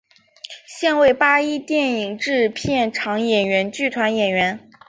现为八一电影制片厂演员剧团演员。